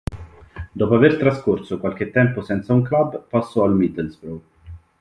Dopo aver trascorso qualche tempo senza un club, passò al Middlesbrough.